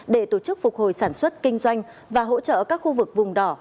để tổ chức phục hồi sản xuất kinh doanh và hỗ trợ các khu vực vùng đỏ